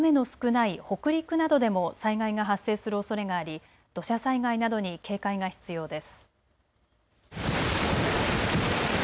ふだん雨の少ない北陸などでも災害が発生するおそれがあり土砂災害などに警戒が必要です。